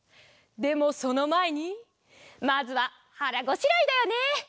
でもそのまえにまずははらごしらえだよね。